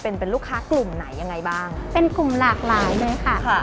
เป็นเป็นลูกค้ากลุ่มไหนยังไงบ้างเป็นกลุ่มหลากหลายเลยค่ะค่ะ